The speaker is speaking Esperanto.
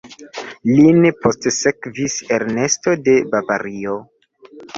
Lin postsekvis Ernesto de Bavario.